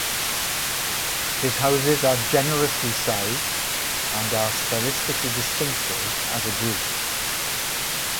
His houses are generously sized and are stylistically distinctive as a group.